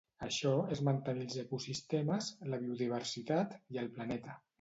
Això és mantenir els ecosistemes, la biodiversitat, i el planeta.